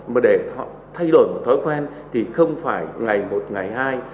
mà để thay đổi một thói quen thì không phải ngày một ngày hai